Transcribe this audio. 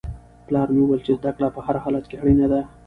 پلار مې وویل چې زده کړه په هر حالت کې اړینه ده.